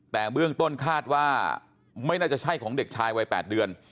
แต่เบื้องต้นคาดว่าไม่น่าจะใช่ของเด็กชายวัย๘เดือน